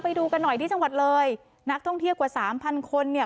ไปดูกันหน่อยที่จังหวัดเลยนักท่องเที่ยวกว่าสามพันคนเนี่ย